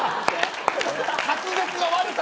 滑舌の悪さ！